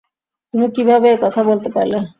তুমি কীভাবে এ কথা বলতে পারলে?